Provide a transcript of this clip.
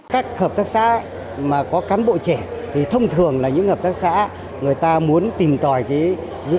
các hợp tác xã mà có cán bộ trẻ thì thông thường là những hợp tác xã người ta muốn tìm tòi cái dự